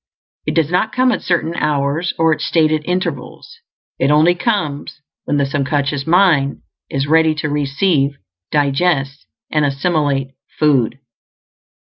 It does not come at certain hours or at stated intervals; it only comes when the sub conscious mind is ready to receive, digest, and assimilate food.